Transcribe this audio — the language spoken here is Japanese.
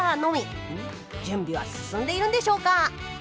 準備は進んでいるんでしょうか？